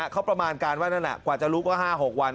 เขาประมาณการว่านั่นแหละกว่าจะรู้ก็๕๖วัน